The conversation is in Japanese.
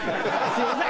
「すみません